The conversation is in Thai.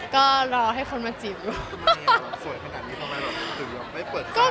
ก็รอให้คนมาจีบอีก